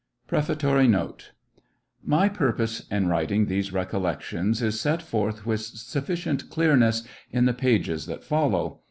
PREFATORY NOTE My purpose in writing these recollections is set forth with sufficient clearness in the pages that fol low.